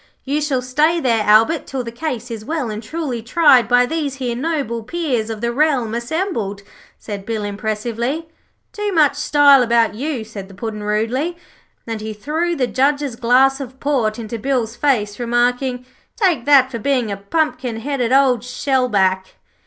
'You shall stay there, Albert, till the case is well and truly tried by these here noble Peers of the Realm assembled,' said Bill, impressively. 'Too much style about you,' said the Puddin', rudely, and he threw the Judge's glass of port into Bill's face, remarking: 'Take that, for being a pumpkin headed old shellback.'